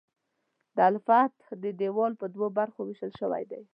د الفتح دیوال په دوو برخو ویشل شوی دی.